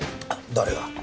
誰が？